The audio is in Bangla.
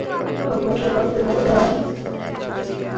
এমনকি মৌসুমের প্রথম তিন ম্যাচে খেলোয়াড়দের সাপ্তাহিক ছুটি বন্ধ করে দিয়েছেন।